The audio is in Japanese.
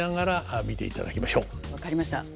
分かりました。